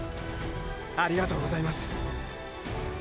ありがとうございます。